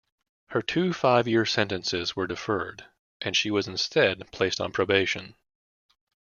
Her two five-year sentences were deferred, and she was instead placed on probation.